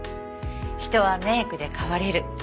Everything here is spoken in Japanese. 人はメイクで変われる。